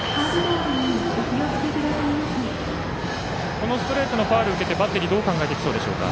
このストレートのファウルを受けてバッテリーはどう考えていけばいいでしょうか。